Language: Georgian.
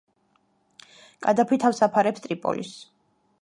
კადაფი თავს აფარებს ტრიპოლის.